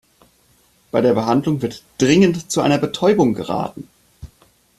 Bei der Behandlung wird dringend zu einer Betäubung geraten.